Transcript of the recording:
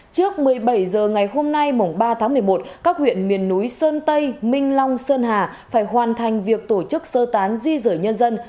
trước một mươi bảy h ngày hôm nay mùng ba tháng một mươi một các huyện miền núi sơn tây minh long sơn hà phải hoàn thành việc tổ chức sơ tán di rời nhân dân